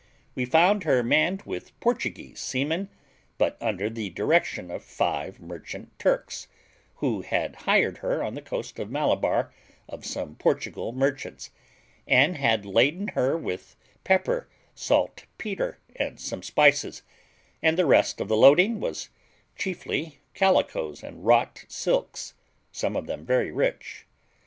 We found her manned with Portuguese seamen, but under the direction of five merchant Turks, who had hired her on the coast of Malabar of some Portugal merchants, and had laden her with pepper, saltpetre, some spices, and the rest of the loading was chiefly calicoes and wrought silks, some of them very rich.